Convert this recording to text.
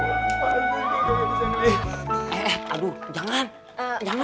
eh aduh jangan jangan